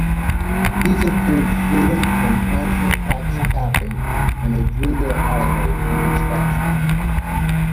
These include freedom from council tax capping and a three-year holiday from inspection.